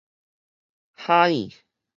嚇呢